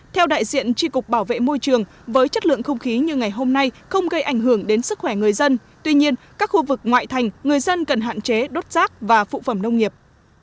theo đại diện tri cục bảo vệ môi trường với chất lượng không khí như ngày hôm nay không gây ảnh hưởng đến sức khỏe người dân tuy nhiên các khu vực ngoại thành người dân cần hạn chế đốt rác và phụ phẩm nông nghiệp